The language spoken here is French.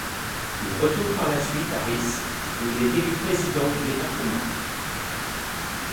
Il retourne par la suite à Rice où il est élu président du département.